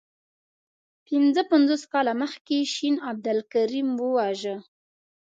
پنځه پنځوس کاله مخکي شین عبدالکریم وواژه.